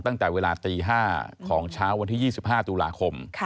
ตั้งแต่เวลาตี๕ของเช้า๒๕ตุลาคม